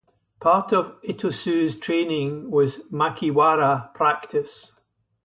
Part of Itosu's training was makiwara practice.